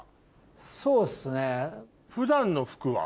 そうっすね。